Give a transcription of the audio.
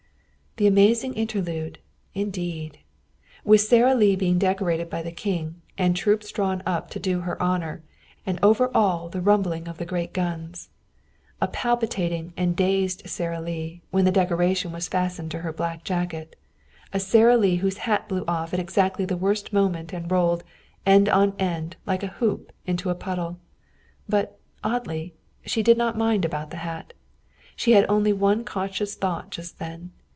The amazing interlude, indeed! With Sara Lee being decorated by the King, and troops drawn up to do her honor, and over all the rumbling of the great guns. A palpitating and dazed Sara Lee, when the decoration was fastened to her black jacket, a Sara Lee whose hat blew off at exactly the worst moment and rolled, end on, like a hoop, into a puddle. But, oddly, she did not mind about the hat. She had only one conscious thought just then.